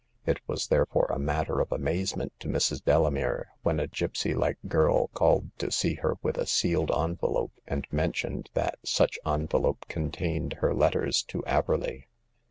It was therefore a matter of amaze ment to Mrs. Delamere when a gipsy like girl called to see her with a sealed envelope, and mentioned that such envelope contained her letters to Averley.